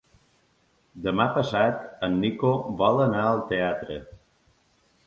Demà passat en Nico vol anar al teatre.